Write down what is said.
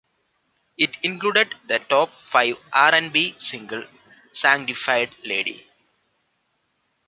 It included the top five R and B single, "Sanctified Lady".